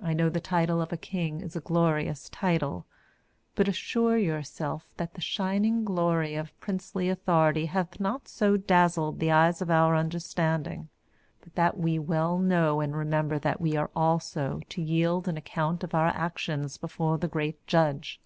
I know the title of a King is a glorious title, but assure yourself that the shining glory of princely authority hath not so dazzled the eyes of our understanding, but that we well know and remember that we also are to yield an account of our actions before the great judge.